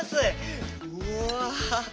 うわ。